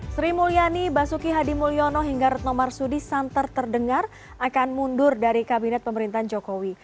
sri mulyani basuki hadi mulyono hingga retno marsudi santer terdengar akan mundur dari kabinet pemerintahan jokowi